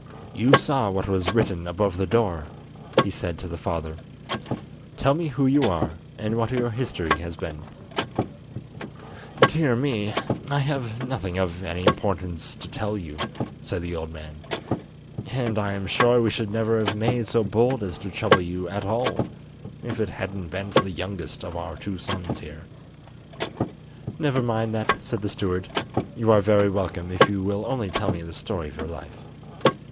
"You saw what was written above the door," he said to the father. "Tell me who you are and what your history has been." "Dear me, I have nothing of any importance to tell you," said the old man, "and I am sure we should never have made so bold as to trouble you at all if it hadn't been for the youngest of our two sons here." "Never mind that," said the steward; "you are very welcome if you will only tell me the story of your life."